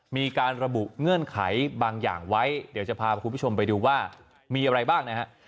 มีการระบุเงื่อนไขบางอย่างไว้เดี๋ยวจะพาคุณผู้ชมไปดูว่ามีอะไรบ้างนะฮะ